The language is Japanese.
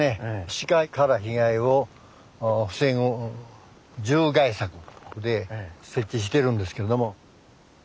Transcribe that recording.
鹿から被害を防ぐ獣害柵で設置してるんですけれども。